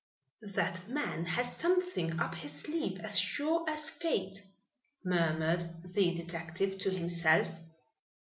"That man has something up his sleeve as sure as fate," murmured the detective to himself.